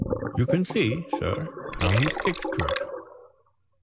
You can see, sir, how he sticks to it."